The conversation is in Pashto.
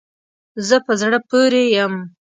زه په زړه پوری یم